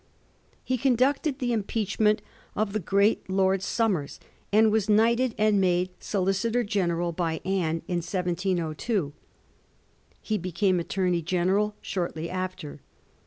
He conducted the impeachment of the great Lord Somers, and was knighted and made Solicitor General by Anne in 1702. He became Attomey Greneral shortly after.